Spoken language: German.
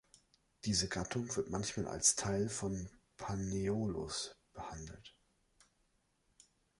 Diese Gattung wird manchmal als Teil von „Panaeolus“ behandelt.